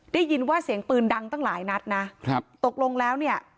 ได้ยินว่าเสียงปืนดังตั้งหลายนัดนะครับตกลงแล้วเนี่ย